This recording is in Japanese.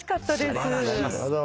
・ありがとうございます。